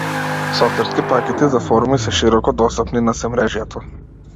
Софтверски пакети за форуми се широко достапни на семрежјето.